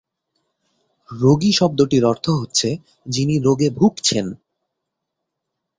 রোগী শব্দটির অর্থ হচ্ছে 'যিনি রোগে ভুগছেন'।